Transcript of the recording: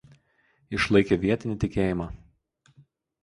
Išlaikę vietinį tikėjimą.